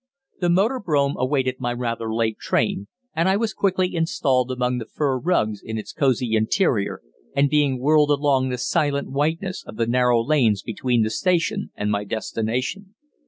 The motor brougham awaited my rather late train, and I was quickly installed among the fur rugs in its cosy interior and being whirled along the silent whiteness of the narrow lanes between the station and my destination.